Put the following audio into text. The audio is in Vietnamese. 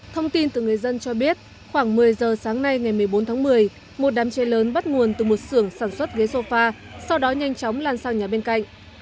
thông tin từ người dân cho biết khoảng một mươi giờ sáng nay ngày một mươi bốn tháng một mươi một đám cháy lớn bắt nguồn từ một sưởng sản xuất ghế sofa sau đó nhanh chóng lan sang nhà bên cạnh